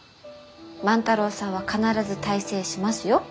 万太郎さんは必ず大成しますよ。